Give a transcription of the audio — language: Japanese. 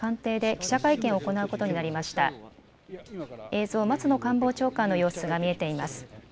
映像、松野官房長官の様子が見えています。